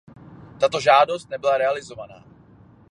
Tato žádost nebyla realizována.